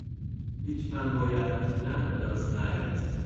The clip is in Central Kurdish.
هیچمان بۆ یارمەتیدان لەدەست نایەت.